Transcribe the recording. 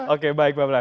oke baik pak blas